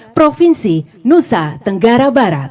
provinsi nusa tenggara barat